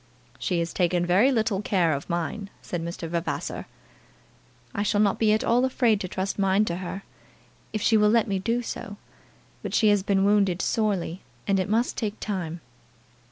"She has taken very little care of mine," said Mr. Vavasor. "I shall not be at all afraid to trust mine to her, if she will let me do so. But she has been wounded sorely, and it must take time."